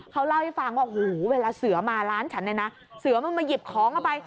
เขาเล่าให้ฟังว่าโอ้โหเวลาเสือมาร้านฉันเนี่ยนะเสือมันมาหยิบของเอาไป